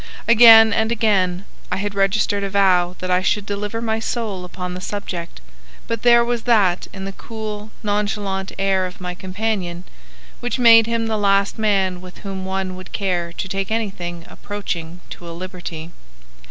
Again and again I had registered a vow that I should deliver my soul upon the subject, but there was that in the cool, nonchalant air of my companion which made him the last man with whom one would care to take anything approaching to a liberty.